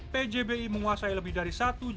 pjb menguasai lebih dari